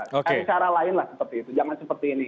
ada cara lainlah seperti itu jangan seperti ini